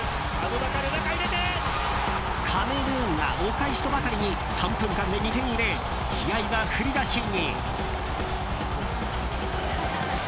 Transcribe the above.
カメルーンがお返しとばかりに３分間で２点入れ試合は振り出しに。